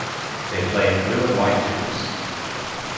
They play in blue and white hoops.